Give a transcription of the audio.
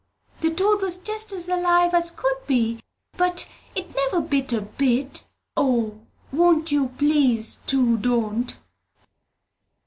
The toad was just as alive as could be, but it never bit a bit! O, _won't you please to don't!